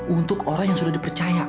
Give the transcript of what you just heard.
untuk orang yang sudah dipercaya